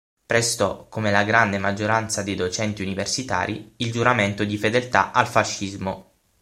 Prestò, come la grande maggioranza dei docenti universitari, il giuramento di fedeltà al fascismo.